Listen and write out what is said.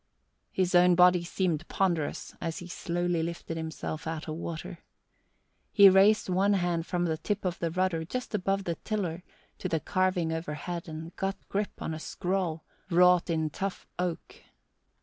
His own body seemed ponderous as he slowly lifted himself out of water. He raised one hand from the tip of the rudder just above the tiller to the carving overhead and got grip on a scroll wrought in tough oak.